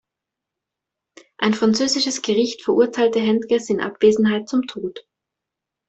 Ein französisches Gericht verurteilte Hentges in Abwesenheit zum Tod.